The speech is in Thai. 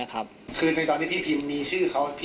คือในตอนนี้พี่พิมพ์มีชื่อเขา